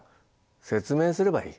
説明すればいい。